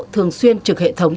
thường xuyên trực hệ thống